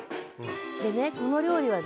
でねこの料理はね